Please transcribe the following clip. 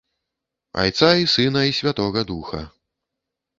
- Айца i сына i святога духа!..